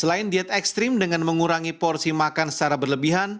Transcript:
selain diet ekstrim dengan mengurangi porsi makan secara berlebihan